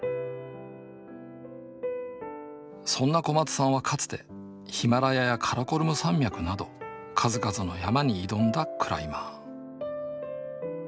そんな小松さんはかつてヒマラヤやカラコルム山脈など数々の山に挑んだクライマー。